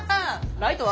ライトは？